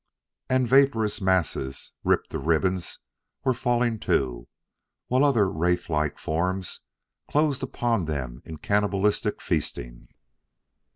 And vaporous masses, ripped to ribbons, were falling, too, while other wraith like forms closed upon them in cannibalistic feasting.